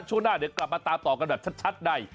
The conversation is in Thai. ช่วงหน้าเดี๋ยวกลับมาตามต่อกันแบบชัดใน